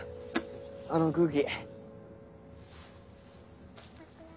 あの空気。